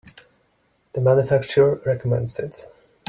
The manufacturer recommends it.